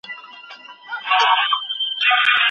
د پښتو ادب ځلانده ستوري زموږ ویاړ دي.